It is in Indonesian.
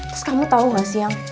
terus kamu tau gak sih yang